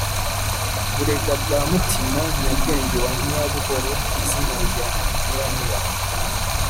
burega bwa mutima: nyabwenge wa nyabuhoro, izina rya nyiramibambwe